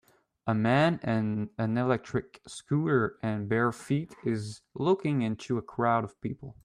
A man in an electric scooter and bare feet is looking into a crowd of people.